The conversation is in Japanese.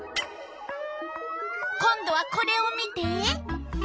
今度はこれを見て。